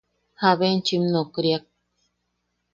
¿Jabe enchim nokriak?